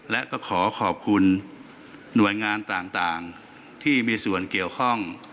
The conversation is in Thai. และก็ขอขอบคุณหน่วยงานต่างที่มีส่วนเกี่ยวข้อง